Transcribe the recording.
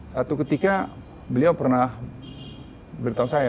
satu ketika beliau pernah beritahu saya